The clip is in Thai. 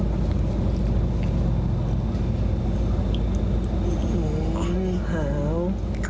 โอ้โฮหาว